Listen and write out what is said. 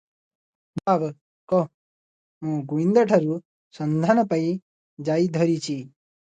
ଜବାବ କଃ - ମୁଁ ଗୁଇନ୍ଦାଠାରୁ ସନ୍ଧାନ ପାଇ ଯାଇ ଧରିଛି ।